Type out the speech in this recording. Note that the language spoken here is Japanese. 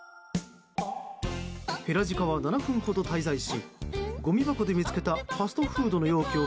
ヘラジカは７分ほど滞在しごみ箱で見つけたファストフードの容器を